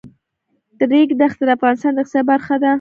د ریګ دښتې د افغانستان د اقتصاد برخه ده.